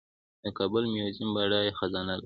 د کابل میوزیم بډایه خزانه لري